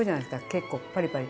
結構パリパリ。